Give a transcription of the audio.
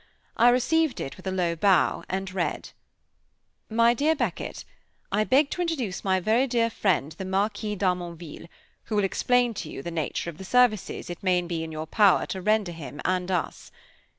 I received it with a low bow, and read: My Dear Beckett, I beg to introduce my very dear friend, the Marquis d'Harmonville, who will explain to you the nature of the services it may be in your power to render him and us.